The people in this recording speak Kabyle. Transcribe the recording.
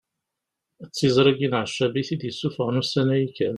D tiẓrigin Ɛeccab i t-id-isuffɣen ussan-agi kan